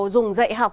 dùng dạy học